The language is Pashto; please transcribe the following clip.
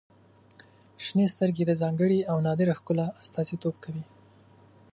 • شنې سترګې د ځانګړي او نادره ښکلا استازیتوب کوي.